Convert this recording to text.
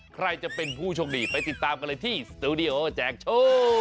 ใครจะเป็นผู้โชคดีไปติดตามกันเลยที่สตูดิโอแจกโชค